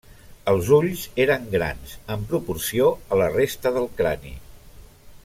Els ulls eren grans en proporció a la resta del crani.